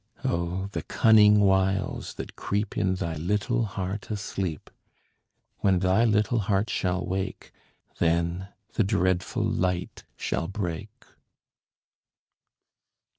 Oh, the cunning wiles that creep In thy little heart asleep! When thy little heart shall wake, Then the dreadful light shall break.